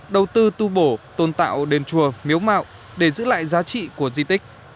đầu tư tu bổ tôn tạo đền chùa miếu mạo để giữ lại giá trị của di tích